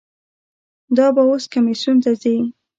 دا به اوس کمیسیون ته ځي.